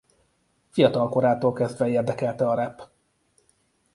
Fiatal korától kezdve érdekelte a rap.